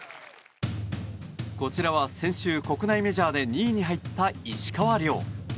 こちらは先週、国内メジャーで２位に入った石川遼。